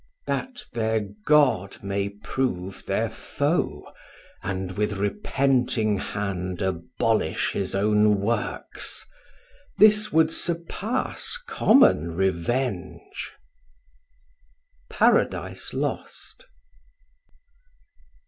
That their God May prove their foe, and with repenting hand Abolish his own works This would surpass Common revenge. Paradise Lost.